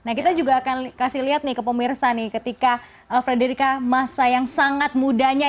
nah kita juga akan kasih lihat nih ke pemirsa nih ketika frederica masa yang sangat mudanya